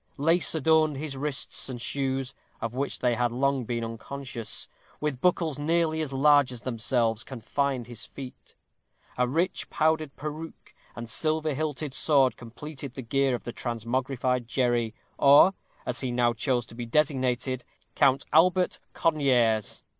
Lace adorned his wrists, and shoes of which they had been long unconscious, with buckles nearly as large as themselves, confined his feet. A rich powdered peruke and silver hilted sword completed the gear of the transmogrified Jerry, or, as he now chose to be designated, Count Albert Conyers.